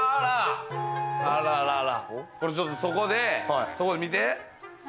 これちょっと、そこで見て。